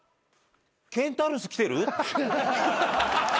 ケンタウロス来てる？